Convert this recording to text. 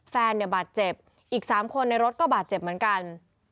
แฟนเนี่ยบาดเจ็บอีก๓คนในรถก็บาดเจ็บเหมือนกัน